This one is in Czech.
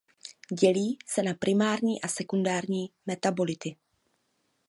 Dělí se na primární a sekundární metabolity.